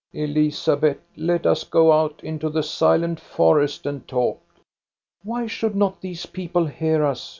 " Elizabeth, let us go out into the silent forest and talk." " Why should not these people hear us?